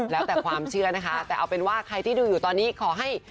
แล้วแต่ความเชื่อนะคะแต่เอาเป็นว่าใครที่ดูอยู่ตอนนี้ขอให้